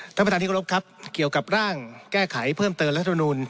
ท่านประธานที่กรบครับเกี่ยวกับร่างแก้ไขเพิ่มเติมรัฐมนูล